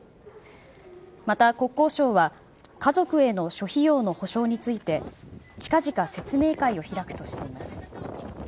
また国交省は、家族への諸費用の補償について、ちかぢか説明会を開くとしています。